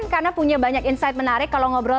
karena punya banyak insight menarik kalau ngobrol